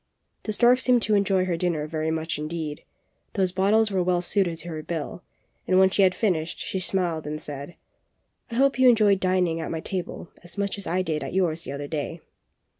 The stork seemed to enjoy her dinner very much indeed; those bottles were well suited to her bill, and when she had finished, she smiled and said: hope you enjoyed dining at my table as much as I did at yours the other day."